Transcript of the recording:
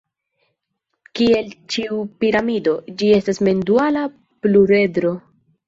Kiel ĉiu piramido, ĝi estas mem-duala pluredro.